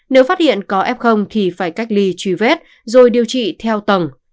nếu phát hiện có f thì phải cách ly truy vết rồi điều trị theo tầng